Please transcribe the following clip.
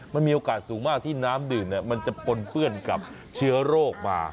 มันมีโอกาสสูงมากที่น้ำดื่มมันจะปนเปื้อนกับเชื้อโรคมา